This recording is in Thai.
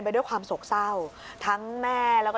สวัสดีครับสวัสดีครับ